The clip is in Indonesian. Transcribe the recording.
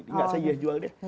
gak jadi saya jual deh